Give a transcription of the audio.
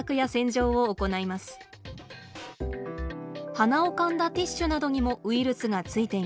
はなをかんだティッシュなどにもウイルスがついています。